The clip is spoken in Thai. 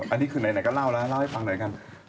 อันนี้คือไหนก็เล่าแล้วเล่าให้ฟังหน่อยกัน